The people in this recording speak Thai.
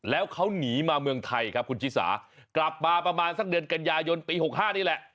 แล้วเขาหนีมาเมืองไทยครับคุณชิสากลับมาประมาณสักเดือนกันยายนปี๖๕นี่แหละ